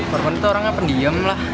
korban itu orangnya pendiam lah